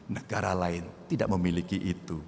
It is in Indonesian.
negara lain tidak memiliki itu